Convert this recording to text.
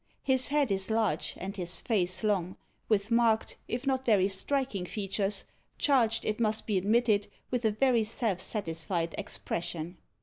His head is large and his face long, with marked, if not very striking features, charged, it must be admitted, with a very self satisfied expression.